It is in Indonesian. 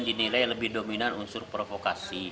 dinilai lebih dominan unsur provokasi